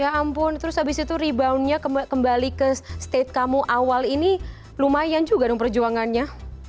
ya ampun terus habis itu reboundnya kembali ke state kamu awal ini lumayan juga dong perjuangannya